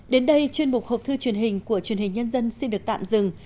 đến đây chuyên mục hộp thư truyền hình của truyền hình nhân dân xin được tạm dừng